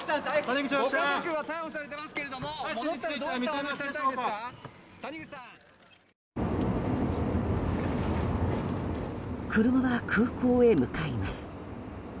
車は空港へ向かいます。